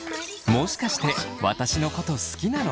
「もしかして私のこと好きなの？」。